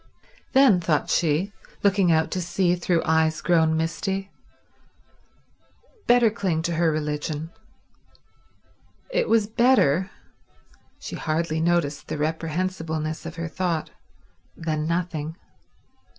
Then, thought she, looking out to sea through eyes grown misty, better cling to her religion. It was better—she hardly noticed the reprehensibleness of her thought—than nothing.